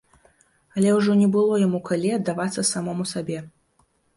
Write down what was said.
Але ўжо не было яму калі аддавацца самому сабе.